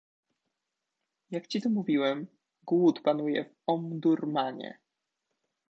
Jak ci to mówiłem, głód panuje w Omdurmanie.